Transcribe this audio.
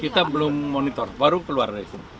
kita belum monitor baru keluar dari sini